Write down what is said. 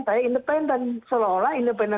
saya independen seolah olah independen